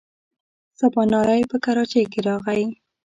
سباناری په کراچۍ کې راغی.